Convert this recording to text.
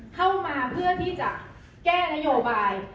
เพื่อที่จะแก้นโยบาย